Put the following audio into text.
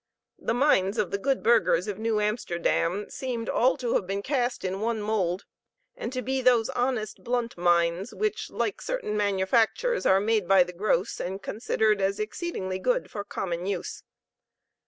The minds of the good burghers of New Amsterdam seemed all to have been cast in one mould, and to be those honest, blunt minds, which, like certain manufactures, are made by the gross, and considered as exceedingly good for common use.